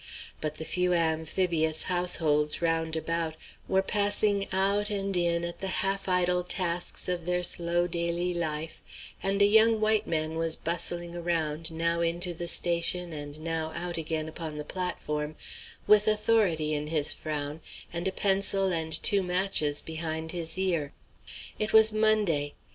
But the few amphibious households round about were passing out and in at the half idle tasks of their slow daily life, and a young white man was bustling around, now into the station and now out again upon the platform, with authority in his frown and a pencil and two matches behind his ear. It was Monday.